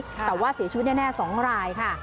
แต่ว่าเสียชีวิตแน่๒รายค่ะ